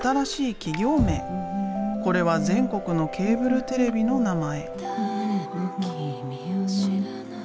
これは全国のケーブルテレビの名前。